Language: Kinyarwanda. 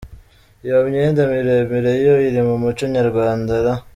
iyo myenda miremire yo iri mumuco nyarwanda ra??.